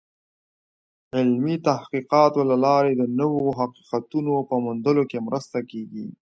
د علمي تحقیقاتو له لارې د نوو حقیقتونو په موندلو کې مرسته کېږي.